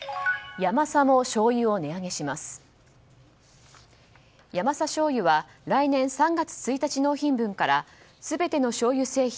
ヤマサ醤油は来年３月１日納品分から全てのしょうゆ製品